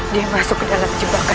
dia masuk ke dalam keadaan aku